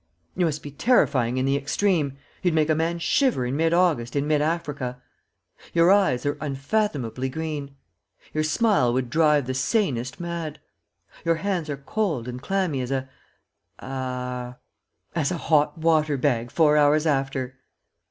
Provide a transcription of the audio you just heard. You must be terrifying in the extreme you'd make a man shiver in mid August in mid Africa. Your eyes are unfathomably green. Your smile would drive the sanest mad. Your hands are cold and clammy as a ah as a hot water bag four hours after."